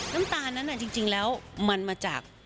น้ำตาลนั้นจริงแล้วมันมาจาก